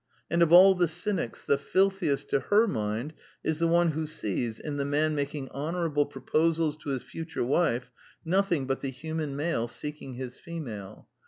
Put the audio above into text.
And of all the cynics, the filthiest to her mind is the one who sees, in the man making honorable proposals to his future wife, nothing but the human male seek ing his female.